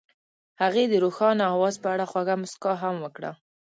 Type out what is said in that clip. هغې د روښانه اواز په اړه خوږه موسکا هم وکړه.